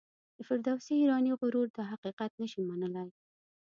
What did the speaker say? د فردوسي ایرانی غرور دا حقیقت نه شي منلای.